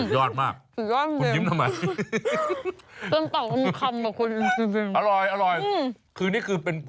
สุดยอดมาก